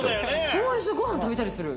友達とご飯食べたりする。